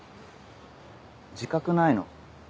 自覚ないの？